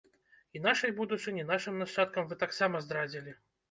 І нашай будучыні, нашым нашчадкам вы таксама здрадзілі!